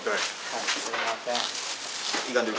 はいすいません。